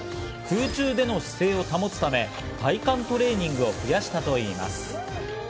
空中での姿勢を保つため、体幹トレーニングを増やしたといいます。